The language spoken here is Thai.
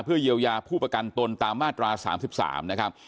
เยียวยาผู้ประกันตนตามมาตรา๓๓นะครับ